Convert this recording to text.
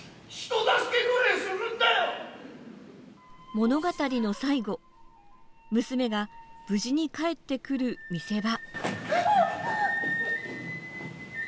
物語の最後、娘が無事に帰ってくる見せ場。